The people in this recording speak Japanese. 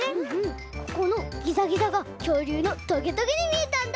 ここのギザギザがきょうりゅうのトゲトゲにみえたんだ！